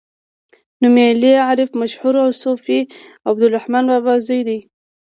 نومیالی عارف مشهور صوفي عبدالرحمان بابا زوی دی.